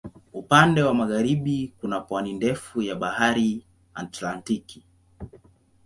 Upande wa magharibi kuna pwani ndefu ya Bahari Atlantiki.